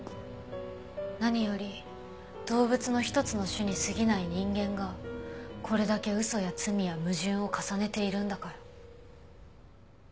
何より動物の一つの種に過ぎない人間がこれだけ嘘や罪や矛盾を重ねているんだから。